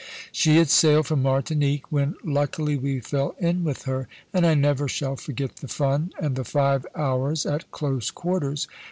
She had sailed from Martinique, when luckily we fell in with her; and I never shall forget the fun, and the five hours at close quarters.